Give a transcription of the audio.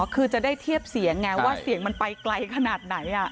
คือจะได้เทียบเสียงไงว่าเสียงมันไปไกลขนาดไหน